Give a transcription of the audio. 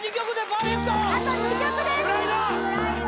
あと２曲です！